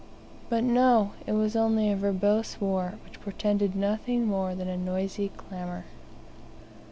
But no, it was only a verbose war, which portended nothing more than a noisy clamor.